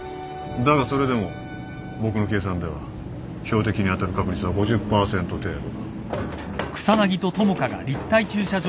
だがそれでも僕の計算では標的に当たる確率は５０％程度だ。